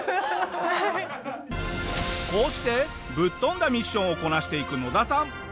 こうしてぶっ飛んだミッションをこなしていくノダさん。